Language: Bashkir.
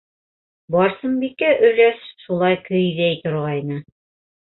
Барсынбикә өләс шулай көйҙәй торғайны...